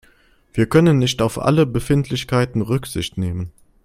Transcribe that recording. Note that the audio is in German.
Wir können nicht auf alle Befindlichkeiten Rücksicht nehmen.